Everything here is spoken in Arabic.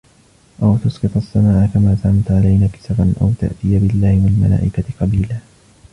أو تسقط السماء كما زعمت علينا كسفا أو تأتي بالله والملائكة قبيلا